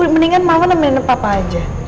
mendingan mau nemenin papa aja